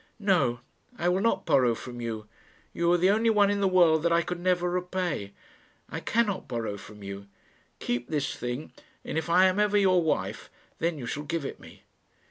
"No; I will not borrow from you. You are the only one in the world that I could never repay. I cannot borrow from you. Keep this thing, and if I am ever your wife, then you shall give it me."